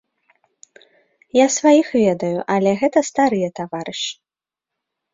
Я сваіх ведаю, але гэта старыя таварышы.